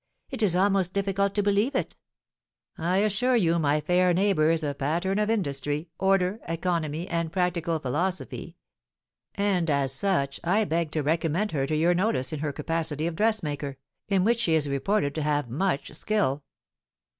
It is almost difficult to believe it." "I assure you my fair neighbour is a pattern of industry, order, economy, and practical philosophy; and as such I beg to recommend her to your notice in her capacity of dressmaker, in which she is reported to have much skill.